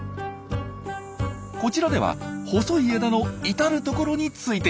こちらでは細い枝の至る所についています。